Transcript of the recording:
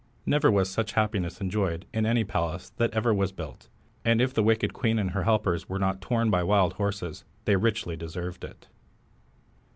Never was such happiness enjoyed in any palace that ever was built, and if the wicked queen and her helpers were not torn by wild horses, they richly deserved it.